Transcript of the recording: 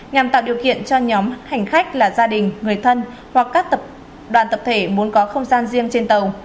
nhằm tạo điều kiện cho nhóm hành khách là gia đình người thân hoặc các tập đoàn tập thể muốn có không gian riêng trên tàu